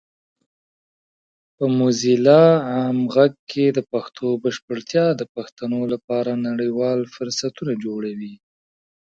په موزیلا عام غږ کې د پښتو بشپړتیا د پښتنو لپاره نړیوال فرصتونه جوړوي.